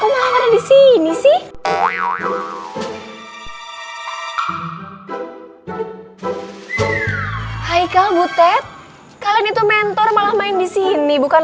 hai hai hai kau butet kalian itu mentor malah main di sini bukan